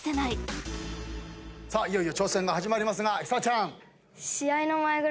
いよいよ挑戦が始まりますが日咲ちゃん。